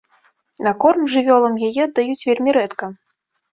На корм жывёлам яе аддаюць вельмі рэдка.